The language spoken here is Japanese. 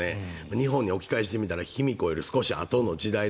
日本に置き替えてみたら卑弥呼より少しあとの時代。